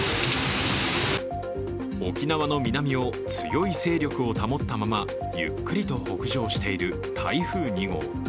沖縄の南を強い勢力を保ったままゆっくりと北上している台風２号。